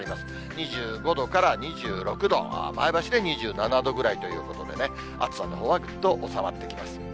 ２５度から２６度、前橋で２７度ぐらいということでね、暑さのほうはぐっと収まってきます。